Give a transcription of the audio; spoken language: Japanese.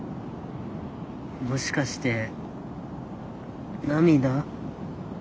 もしかして涙？